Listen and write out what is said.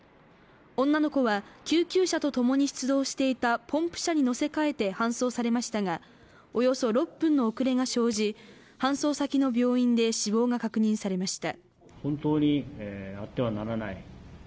女の子は救急車とともに出動していたポンプ車に乗せかえて搬送されましたがおよそ６分の遅れが生じ搬送先の病院で死亡が確認されました。